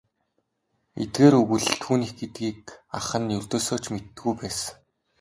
Эдгээр өгүүлэл түүнийх гэдгийг ах нь ердөөсөө ч мэддэггүй байсан юм.